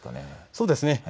そうですね。